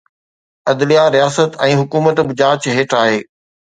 عدليه، رياست ۽ حڪومت به جاچ هيٺ آهي.